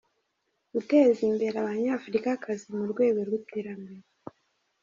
Guteza imbere abanyafurikakazi mu rwego rw’iterambere.